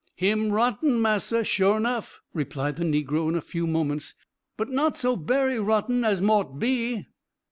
"Him rotten, massa, sure nuff," replied the negro in a few moments, "but not so berry rotten as mought be.